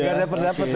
nggak ada perdapat ya